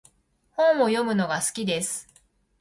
本を読むのが好きです。